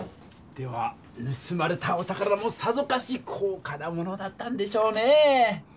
ではぬすまれたお宝もさぞかし高価なものだったんでしょうね！